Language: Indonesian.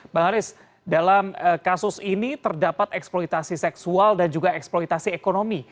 bang haris dalam kasus ini terdapat eksploitasi seksual dan juga eksploitasi ekonomi